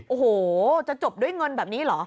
โอ้โหจะจบด้วยเงินแบบนี้เหรอ